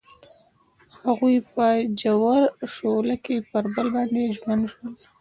هغوی په ژور شعله کې پر بل باندې ژمن شول.